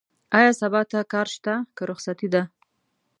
ايا سبا ته کار شته؟ که رخصتي ده؟